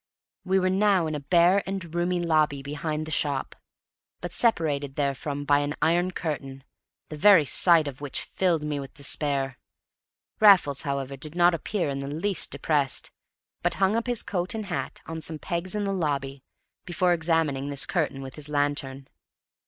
We were now in a bare and roomy lobby behind the shop, but separated therefrom by an iron curtain, the very sight of which filled me with despair. Raffles, however, did not appear in the least depressed, but hung up his coat and hat on some pegs in the lobby before examining this curtain with his lantern.